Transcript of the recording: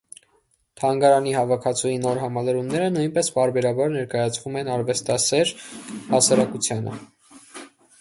Թանգարանի հավաքածուի նոր համալրումները նույնպես պարբերաբար ներկայացվում են արվեստասեր հասարակությանը։